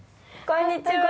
こんにちは。